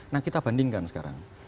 nah kita bandingkan sekarang